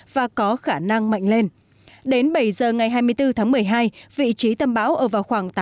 và có khả năng mạnh lên đến bảy giờ ngày hai mươi bốn tháng một mươi hai vị trí tâm bão ở vào khoảng tám năm độ vĩ bắc